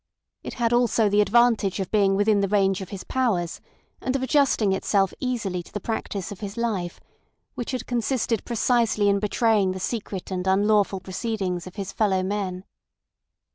It had also the advantage of being within the range of his powers and of adjusting itself easily to the practice of his life, which had consisted precisely in betraying the secret and unlawful proceedings of his fellow men.